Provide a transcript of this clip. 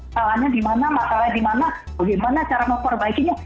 salahnya di mana masalahnya di mana bagaimana cara memperbaikinya